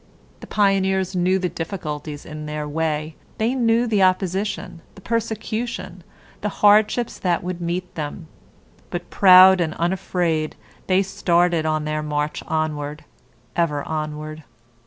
The pioneers knew the difficulties in their way, they knew the opposition, the persecution, the hardships that would meet them, but proud and unafraid they started on their march onward, ever onward.